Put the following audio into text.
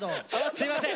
すいません！